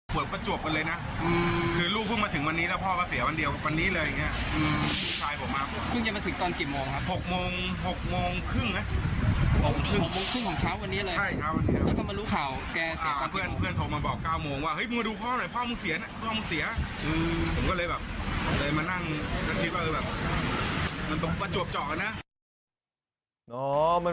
ผมก็เลยแบบเลยมานั่งนั่งที่ก็เลยแบบมันต้องประจวบเจาะกันนะ